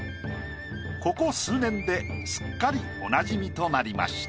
ここ数年ですっかりおなじみとなりました。